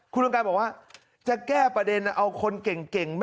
คุณเรียนไกลบอกว่าจะแก้ประเด็นเอาคนเก่ง